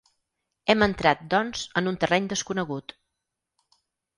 Hem entrat, doncs, en un terreny desconegut.